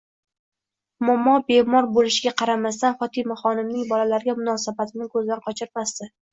Momo bemor bo'lishiga qaramasdan Fotimaxonimning bolalarga munosabatini ko'zdan qochirmasdi.